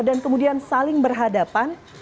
dan kemudian saling berhadapan